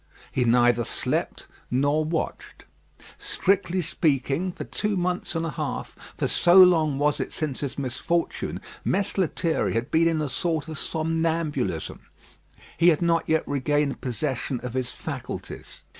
He neither slept nor watched. Strictly speaking, for two months and a half for so long was it since his misfortune Mess Lethierry had been in a sort of somnambulism. He had not yet regained possession of his faculties.